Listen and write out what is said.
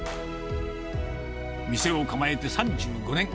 店を構えて３５年。